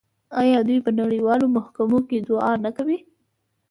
آیا دوی په نړیوالو محکمو کې دعوا نه کوي؟